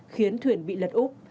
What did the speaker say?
khiến thuyền bị lật úp